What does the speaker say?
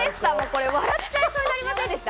これ、笑っちゃいそうになりませんでし